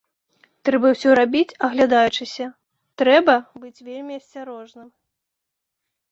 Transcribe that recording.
Трэба ўсё рабіць аглядаючыся, трэба быць вельмі асцярожным.